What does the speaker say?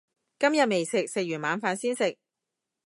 今日未食，食完晚飯先食